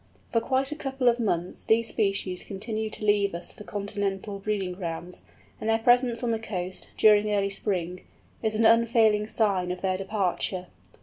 For quite a couple of months these species continue to leave us for Continental breeding grounds, and their presence on the coast, during early spring, is an unfailing sign of their departure.